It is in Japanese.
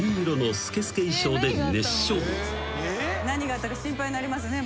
何があったか心配になりますね。